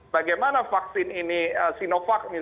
bagaimana vaksin ini